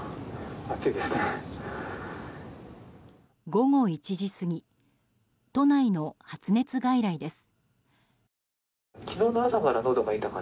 午後１時過ぎ都内の発熱外来です。